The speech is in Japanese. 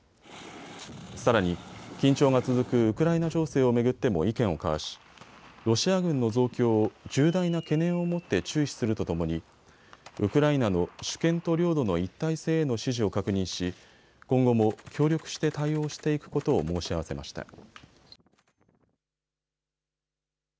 さらに、緊張が続くウクライナ情勢を巡っても意見を交わしロシア軍の増強を重大な懸念を持って注視するとともにウクライナの主権と領土の一体性への支持を確認し今後も協力して対応していくことを申し合わせました。